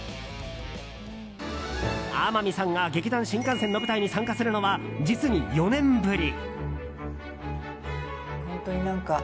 天海さんが劇団☆新感線の舞台に参加するのは実に４年ぶり。